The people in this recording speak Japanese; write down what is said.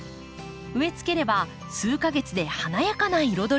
植えつければ数か月で華やかな彩りに。